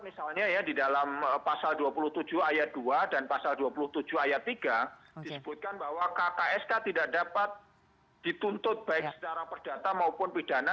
misalnya ya di dalam pasal dua puluh tujuh ayat dua dan pasal dua puluh tujuh ayat tiga disebutkan bahwa kksk tidak dapat dituntut baik secara perdata maupun pidana